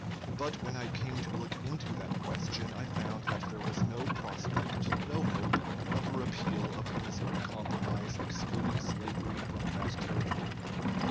But when I came to look into that question, I found that there was no prospect, no hope, of a repeal of the Missouri Compromise excluding slavery from that territory....